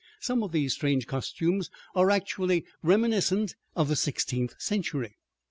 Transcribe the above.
Some of these strange costumes are actually reminiscent of the sixteenth century.